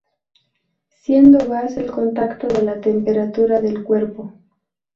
Siendo gas al contacto de la temperatura del cuerpo.